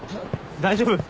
大丈夫？